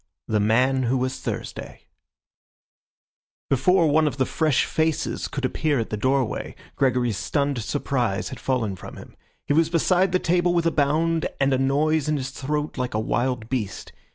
THE MAN WHO WAS THURSDAY Before one of the fresh faces could appear at the doorway, Gregory's stunned surprise had fallen from him. He was beside the table with a bound, and a noise in his throat like a wild beast.